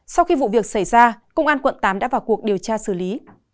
sau khi vụ việc xảy ra công an quận tám đã vào cuộc điều tra xử lý